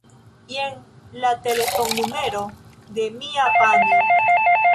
Jen la telefonnumero de mia panjo.